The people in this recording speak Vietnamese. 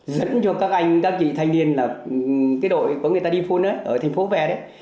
dẫn cho các anh các chị thanh niên là cái đội của người ta đi phun ở thành phố về đấy